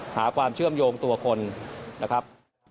หาความเชื่อมโยงตัวคนนะครับ